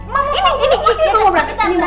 kita mau berangkat dulu ya